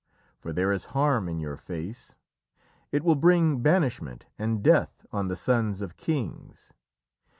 For there is harm in your face; it will bring banishment and death on the sons of kings.